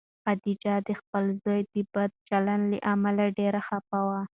خدیجه د خپل زوی د بد چلند له امله ډېره خفه وه.